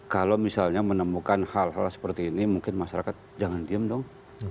kalau misalnya menemukan hal hal seperti ini mungkin masyarakat jangan diem dong